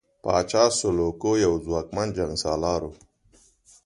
پاچا سلوکو یو ځواکمن جنګسالار وو.